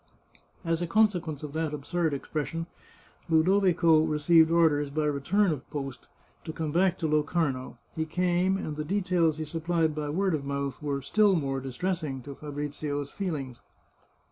As a consequence of this absurd expression, Ludovico re ceived orders, by return of post, to come back to Locarno. He came, and the details he supplied by word of mouth were still more distressing to Fabrizio's feelings.